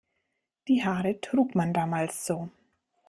Die Haare trug man damals so.